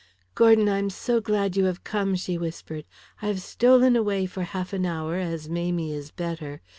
"Gordon, I am so glad you have come," she whispered. "I have stolen away for half an hour as Mamie is better.